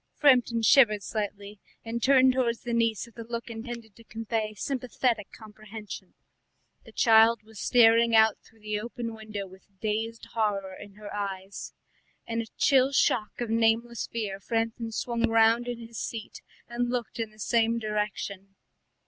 Framton shivered slightly and turned towards the niece with a look intended to convey sympathetic comprehension. The child was staring out through the open window with dazed horror in her eyes. In a chill shock of nameless fear Framton swung round in his seat and looked in the same direction.